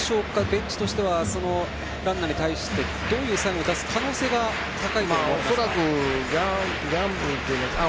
ベンチとしてはランナーに対してどういうサインを出す可能性が高いと思いますか？